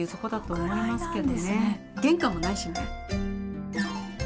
玄関もないしね。